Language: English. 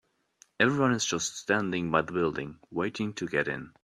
Everyone is just standing by the building, waiting to get in.